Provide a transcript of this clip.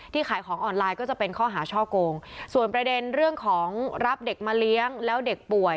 ขายของออนไลน์ก็จะเป็นข้อหาช่อโกงส่วนประเด็นเรื่องของรับเด็กมาเลี้ยงแล้วเด็กป่วย